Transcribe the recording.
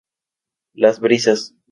Las Brisas.